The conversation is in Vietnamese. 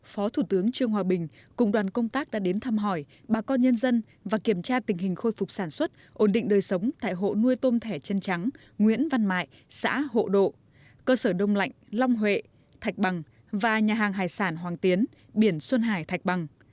phó thủ tướng trương hòa bình cùng đoàn công tác đã đến thăm hỏi bà con nhân dân và kiểm tra tình hình khôi phục sản xuất ổn định đời sống tại hộ nuôi tôm thẻ chân trắng nguyễn văn mại xã hộ độ cơ sở đông lạnh long huệ thạch bằng và nhà hàng hải sản hoàng tiến biển xuân hải thạch bằng